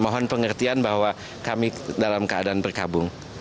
mohon pengertian bahwa kami dalam keadaan berkabung